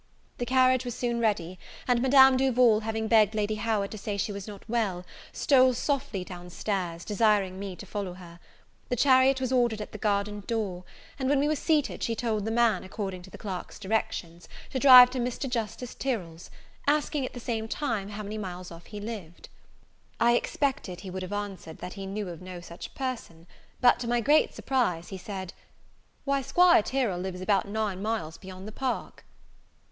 The carriage was soon ready; and Madame Duval, having begged Lady Howard to say she was not well, stole softly down stairs, desiring me to follow her. The chariot was ordered at the garden door; and, when we were seated, she told the man, according to the clerk's directions, to drive to Mr. Justice Tyrell's, asking at the same time, how many miles off he lived? I expected he would have answered, that he knew of no such person; but, to my great surprise, he said, "Why, 'Squire Tyrell lives about nine miles beyond the park."